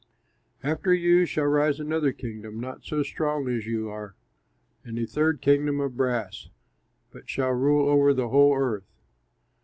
"After you shall rise another kingdom not so strong as you are, and a third kingdom of brass, which shall rule over the whole earth.